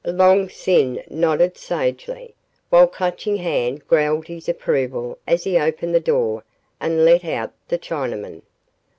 Long Sin nodded sagely, while Clutching Hand growled his approval as he opened the door and let out the Chinaman.